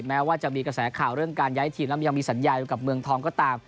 แม้ว่าจะมีกระแสข่าวเรื่องการย้ายทีมแล้วยังมีสัญญาอยู่กับเมืองทองก็ตาม